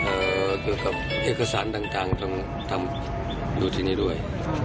เอ่อกี่กับเอกสารต่างต้องทำอยู่ที่นี้ด้วย